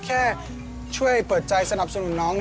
แค่ช่วยเปิดใจสนับสนุนน้อง